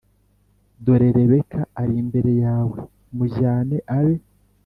Dore Rebeka ari imbere yawe mujyane abe